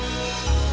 agar satu aku inkan